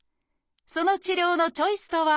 その治療のチョイスとは？